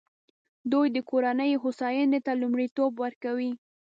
دوی د کورنیو هوساینې ته لومړیتوب ورکوي.